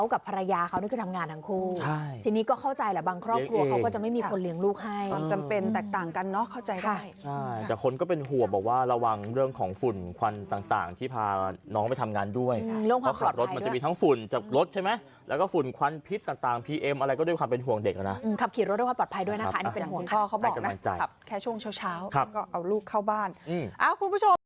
แล้วตอนนั้นที่เธอบอกเธอมีลูกเล็กแล้วตอนนั้นที่เธอบอกเธอมีลูกเล็กแล้วตอนนั้นที่เธอบอกเธอมีลูกเล็กแล้วตอนนั้นที่เธอบอกเธอมีลูกเล็กแล้วตอนนั้นที่เธอบอกเธอมีลูกเล็กแล้วตอนนั้นที่เธอบอกเธอมีลูกเล็กแล้วตอนนั้นที่เธอบอกเธอมีลูกเล็กแล้วตอนนั้นที่เธอบอกเธอมีลูกเล็กแล้วตอนนั้นที่เธอ